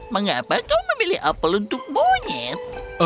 mengapa kau memilih apel untuk monyet